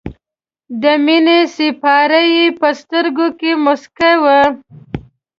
د مینې سېپارې یې په سترګو کې موسکۍ وې.